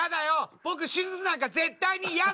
僕手術なんか絶対にやだ！